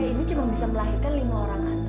saya ini cuma bisa melahirkan lima orang an